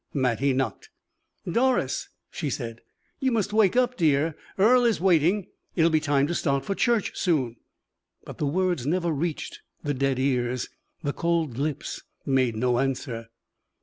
Mattie knocked. "Doris," she said, "you must wake up, dear. Earle is waiting. It will be time to start for church soon!" But the words never reached the dead ears; the cold lips made no answer.